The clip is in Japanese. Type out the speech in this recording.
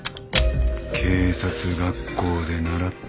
警察学校で習ったろ。